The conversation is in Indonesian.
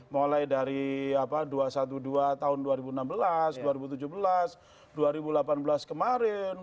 mulai dari dua ratus dua belas tahun dua ribu enam belas dua ribu tujuh belas dua ribu delapan belas kemarin